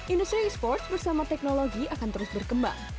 industri e sports bersama teknologi akan terus berkembang